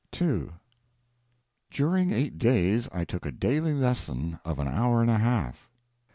II During the eight days I took a daily lesson of an hour and a half.